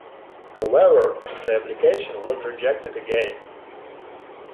However, the application was rejected again.